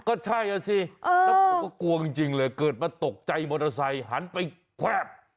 ก็ใช่อ่ะสิแล้วผมก็กลัวจริงเลยเกิดมาตกใจมอเตอร์ไซค์หันไปแควบ